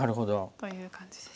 という感じです。